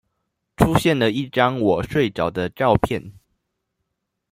出現了一張我睡著的照片